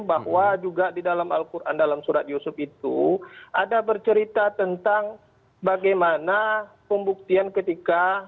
bahwa juga di dalam al quran dalam surat yusuf itu ada bercerita tentang bagaimana pembuktian ketika